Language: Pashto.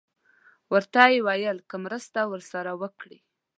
ورته یې وویل که مرسته ورسره وکړي.